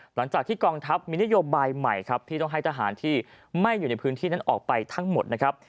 หลังจากที่กองทัพมีนโยบายใหม่ครับที่ต้องให้ทหารที่ไม่อยู่ในพื้นที่นั้นออกไปทั้งหมดนะครับ